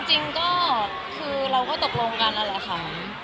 จริงก็คือเราก็ตกลงกันแล้วค่ะ